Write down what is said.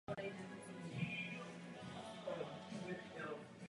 Květní infekce snižuje počet květů a zvyšuje se riziko napadení plodů.